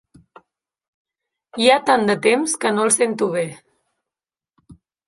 Hi ha tant de temps que no el sento bé.